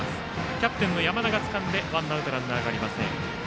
キャプテンの山田がつかんでワンアウトランナーがありません。